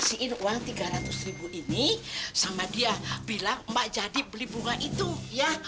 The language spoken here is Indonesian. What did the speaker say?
sampai jumpa di video selanjutnya